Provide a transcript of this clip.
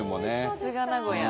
さすが名古屋。